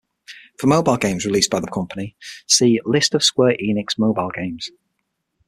For mobile games released by the company, see List of Square Enix mobile games.